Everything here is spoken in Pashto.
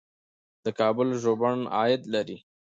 د کابل ژوبڼ عاید لري